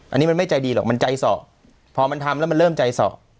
อันนี้มันไม่ใจดีหรอกมันใจส่อพอมันทำแล้วมันเริ่มใจสอบ